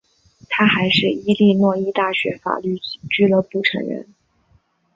他还是伊利诺伊大学法律俱乐部成员。